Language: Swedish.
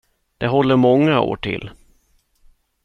Det håller många år till.